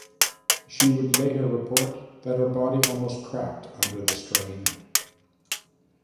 She would later report that her body almost cracked under the strain.